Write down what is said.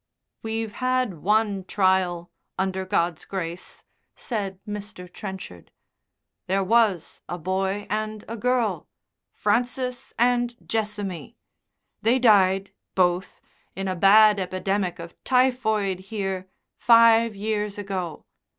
"We've had one trial, under God's grace," said Mr. Trenchard. "There was a boy and a girl Francis and Jessamy. They died, both, in a bad epidemic of typhoid here, five years ago.